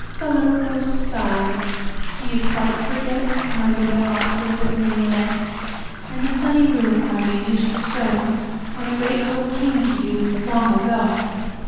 The little ghost sighed: "Do you quite forget My window boxes of mignonette? And the sunny room where you used to sew When a great hope came to you, long ago?